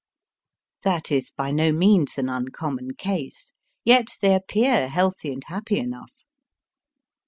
That is by no means an uncommon case. Yet they appear healthy and happy enough.